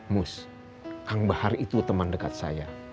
mus kang bahar itu teman dekat saya